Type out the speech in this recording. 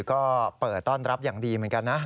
ก็เปิดต้อนรับอย่างดีเหมือนกันนะ